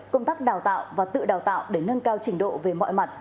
công tác đào tạo và tự đào tạo để nâng cao trình độ về mọi mặt